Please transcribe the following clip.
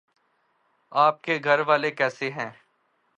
آپ کے گھر والے کیسے ہے